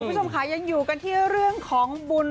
คุณผู้ชมค่ะยังอยู่กันที่เรื่องของบุญ